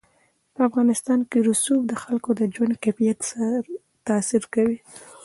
په افغانستان کې رسوب د خلکو د ژوند کیفیت تاثیر کوي.